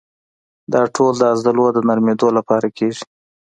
دا ټول د عضلو د نرمېدو لپاره کېږي.